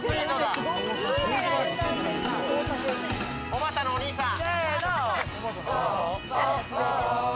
おばたのお兄さん！